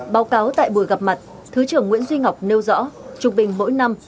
báo cáo tại buổi gặp mặt thứ trưởng nguyễn duy ngọc nêu rõ trung bình mỗi năm